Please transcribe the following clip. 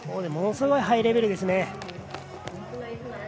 ものすごいハイレベルです。